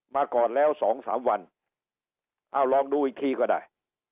มาก่อนแล้วสองสามวันเอาลองดูอีกทีก็ได้